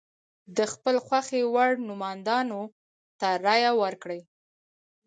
د خپل خوښې وړ نوماندانو ته رایه ورکړي.